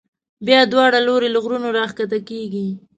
بیا دواړه لوري له غرونو را کښته کېږي.